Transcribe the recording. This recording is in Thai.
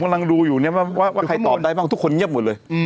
กำลังดูอยู่เนี่ยว่าใครตอบได้บ้างทุกคนเงียบหมดเลย